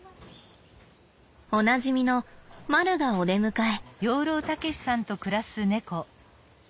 おなじみのまるがお出迎え。